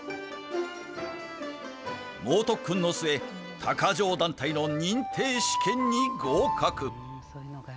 猛特訓の末、たか匠団体の認定試験に合格。